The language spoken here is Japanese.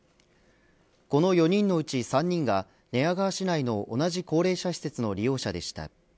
この４人のうち３人が寝屋川市内の同じ高齢者施設の利用者でした。